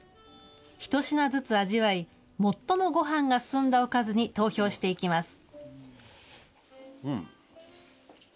ひと品ずつ味わい、最もごはんが進んだおかずに投票していきます。